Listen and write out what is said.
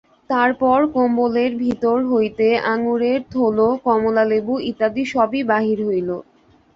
তারপর কম্বলের ভিতর হইতে আঙুরের থোলো, কমলালেবু ইত্যাদি সবই বাহির হইল।